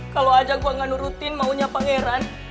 kalau aja gue gak nurutin maunya pangeran